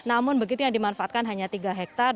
namun begitu yang dimanfaatkan hanya tiga hektare